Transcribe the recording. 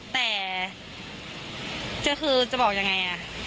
แต่คือจะบอกยังไง